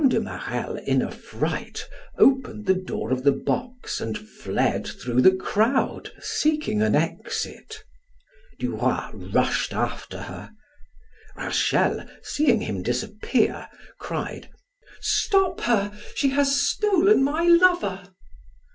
de Marelle in affright opened the door of the box and fled through the crowd seeking an exit. Duroy rushed after her. Rachel, seeing him disappear, cried: "Stop her! she has stolen my lover!"